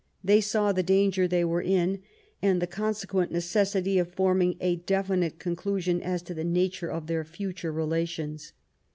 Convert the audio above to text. They saw the danger they were in, and the consequent necessity of forming a definite conclusion as to the nature of their future relations.